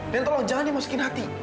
dan tolong jangan dimusikin hati